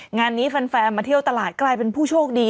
งานนี้แฟนมาเที่ยวตลาดกลายเป็นผู้โชคดี